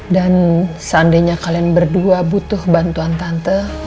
dan seandainya kalian berdua butuh bantuan tante